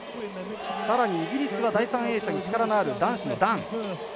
さらにイギリスは第３泳者に力のある男子のダン。